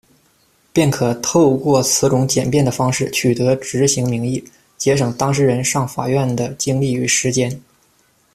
便可透过此种简便的方式，取得执行名义，节省当事人上法院的精力与时间。